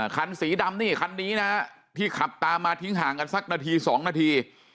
คันสีดำนี่คันนี้นะฮะที่ขับตามมาทิ้งห่างกันสักนาที๒นาที